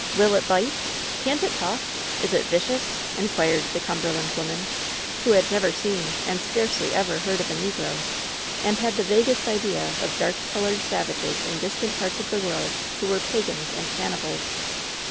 Will it bite? Can't it talk? Is it vicious?" inquired the Cumberland woman, who had never seen and scarcely ever heard of a negro, and had 188 LOVE'S BITTEREST CUP the vaguest idea of dark colored savages in distant parts of the world, who were pagans and cannibals.